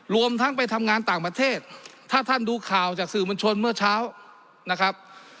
รวมทั้งไปทำงานต่างประเทศถ้าท่านดูข่าวจากสื่อมวลชนเมื่อเช้านะครับ